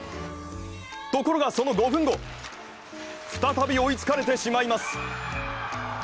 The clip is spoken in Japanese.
ところが、その５分後、再び追いつかれてしまいます。